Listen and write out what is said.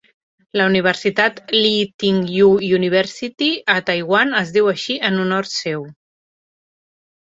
La Universitat Lee Teng-Hui University a Taiwan es diu així en honor seu.